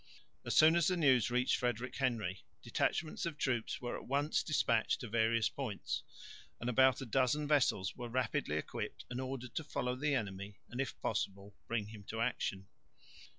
As soon as the news reached Frederick Henry, detachments of troops were at once despatched to various points; and about a dozen vessels were rapidly equipped and ordered to follow the enemy and if possible bring him to action.